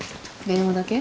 電話だけ？